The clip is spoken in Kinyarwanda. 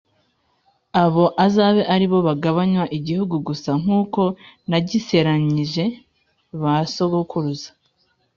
Abo azabe ari bo bagabanywa igihugu gusa nkuko nagiseranyije ba sogukuruza